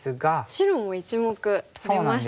白も１目取れましたね。